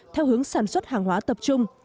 theo hướng sản xuất hàng hóa tập trung